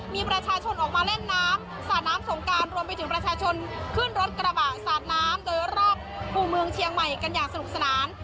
มีประชาชนออกมาเล่นน้ำสาดน้ำสงการรวมไปถึงประชาชนขึ้นรถกระบะสาดน้ำโดยรอบคู่เมืองเชียงใหม่กันอย่างสนุกสนาน